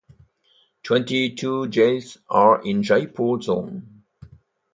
Twenty two jails are in Jaipur zone.